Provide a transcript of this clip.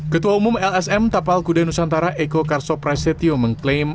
ketua umum lsm tapal kuda nusantara eko karso prasetyo mengklaim